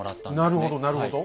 なるほどなるほど。